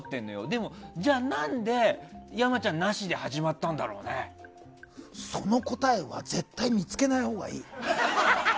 でも、じゃあ何で山ちゃんなしでその答えは絶対見つけないほうがいい。